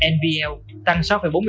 nvl tăng sáu bốn mươi bốn